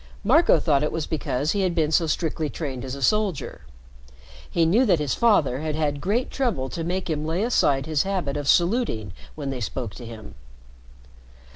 Marco thought it was because he had been so strictly trained as a soldier. He knew that his father had had great trouble to make him lay aside his habit of saluting when they spoke to him.